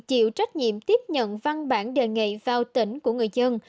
chịu trách nhiệm tiếp nhận văn bản đề nghị vào tỉnh của người dân